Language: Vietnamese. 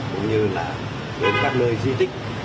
cũng như là đến các nơi di tích